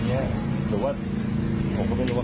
เขาเขาออกระดับนี้ครับ